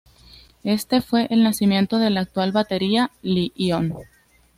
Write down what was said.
Este fue el nacimiento de la actual batería Li-ion.